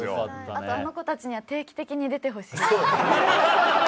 あとあの子たちには定期的に出てほしい。